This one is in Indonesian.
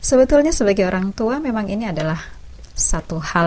obat tukar yang teguh